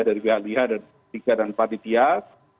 dari pihak liga ada tiga dan empat di pihak